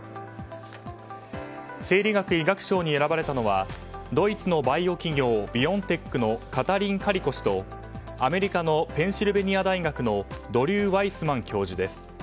生理学・医学賞に選ばれたのはドイツのバイオ企業ビオンテックのカタリン・カリコ氏とアメリカのペンシルベニア大学のドリュー・ワイスマン教授です。